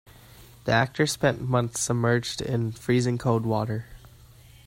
The actors spent months submerged in freezing cold water.